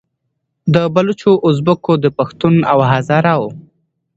د بــــلوچـــو، د اُزبـــــــــــــــــکو، د پــــښــــتــــون او هـــــزاره وو